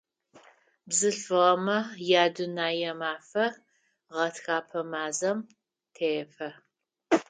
Бзылъфыгъэмэ я Дунэе мафэ гъэтхэпэ мазэм тефэ.